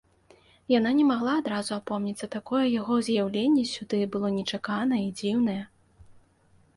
Яна не магла адразу апомніцца, такое яго з'яўленне сюды было нечаканае і дзіўнае.